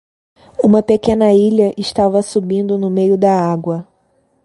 Uma pequena ilha estava subindo no meio da água.